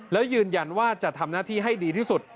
แล้วยืนยันว่าจะทำหน้าที่ให้ดีที่สุด